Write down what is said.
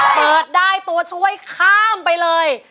เปิดได้ตัวช่วยข้ามไปเลย